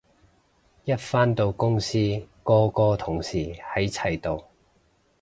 一返到公司個個同事喺齊度